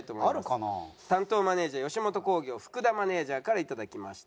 担当マネージャー吉本興業福田マネージャーから頂きました。